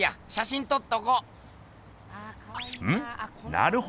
なるほど。